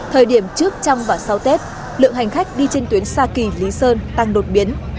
thời điểm trước trong và sau tết lượng hành khách đi trên tuyến sa kỳ lý sơn tăng đột biến